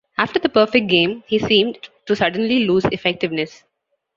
After the perfect game, he seemed to suddenly lose effectiveness.